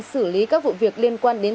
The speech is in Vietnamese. xử lý các vụ việc liên quan đến